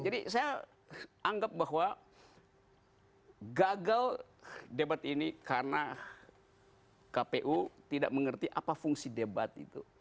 jadi saya anggap bahwa gagal debat ini karena kpu tidak mengerti apa fungsi debat itu